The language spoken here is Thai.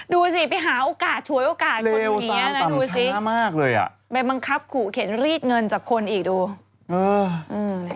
ดูสิไปหาโอกาสฉวยโอกาสคนอย่างนี้นะดูสิไปบังคับขู่เข็นรีดเงินจากคนอีกดู